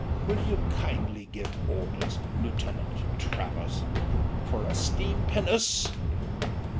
Will you kindly give orders. Lieutenant Travers, for a steam pinnace?